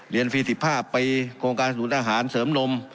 เรียนฟรีสิบห้าป์ไปโครงการเขียนดูดอาหารเสริมลม